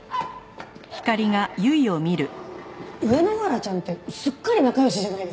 上野原ちゃんってすっかり仲良しじゃないですか。